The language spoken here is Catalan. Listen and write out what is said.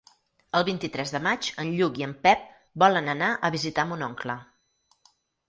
El vint-i-tres de maig en Lluc i en Pep volen anar a visitar mon oncle.